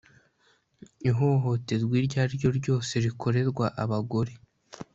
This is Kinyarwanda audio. ihohoterwa iryo ari ryo ryose rikorerwa abagore